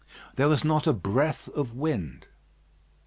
There was not a breath of wind.